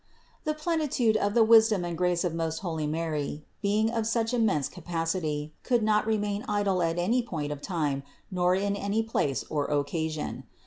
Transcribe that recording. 243. The plenitude of the wisdom and grace of most holy Mary, being1 of such immense capacity, could not remain idle at any point of time, nor in any place or occasion.